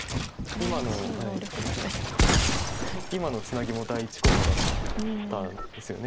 今のツナギも第１候補だったんですよね。